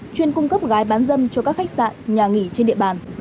chuyên cung cấp gái bán dâm cho các khách sạn nhà nghỉ trên địa bàn